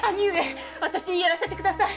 私にやらせてください